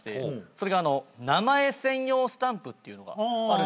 それが名前専用スタンプっていうのがあるんですけど。